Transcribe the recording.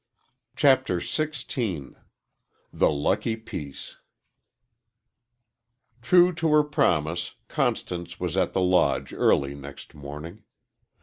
CHAPTER XVI THE LUCKY PIECE True to her promise, Constance was at the Lodge early next morning.